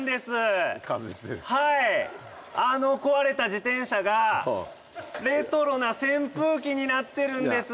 あの壊れた自転車がレトロな扇風機になってるんです！